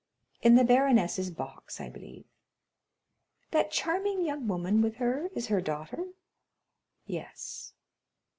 "In the baroness's box, I believe." "That charming young woman with her is her daughter?" "Yes."